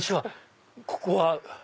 ここは？